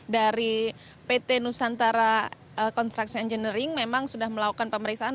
dari pt nusantara construction engineering memang sudah melakukan pemeriksaan